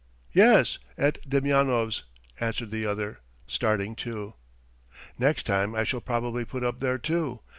"Yes, at Demyanov's," answered the other, starting too. "Next time I shall probably put up there too.